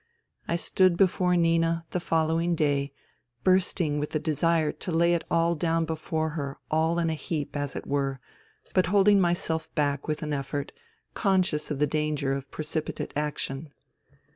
... I stood before Nina the following day, bursting with the desire to lay it all down before her all in a heap, as it were, but holding myself back with an effort, conscious of the danger of precipitate action.